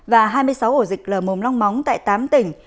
và hai mươi sáu ổ dịch lở mồm long móng tại tám tỉnh